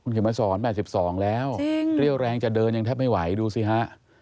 เขียนมาสอน๘๒แล้วเรี่ยวแรงจะเดินยังแทบไม่ไหวดูสิฮะ